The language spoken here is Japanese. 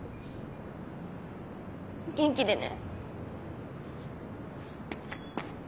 元気でね。